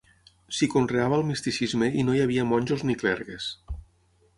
S'hi conreava el misticisme i no hi havia monjos ni clergues.